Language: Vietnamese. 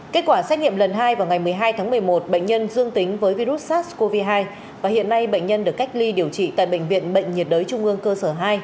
kết quả xét nghiệm lần hai vào ngày một mươi hai tháng một mươi một bệnh nhân dương tính với virus sars cov hai và hiện nay bệnh nhân được cách ly điều trị tại bệnh viện bệnh nhiệt đới trung ương cơ sở hai